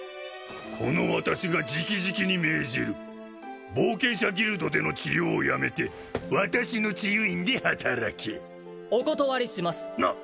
この私が直々に命じる冒険者ギルドでの治療をやめて私の治癒院で働けお断りしますなっ！